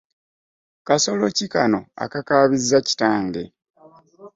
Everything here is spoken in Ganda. Kasolo ki kano akakaabizza kitange?